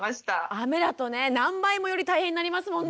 雨だとね何倍もより大変になりますもんね。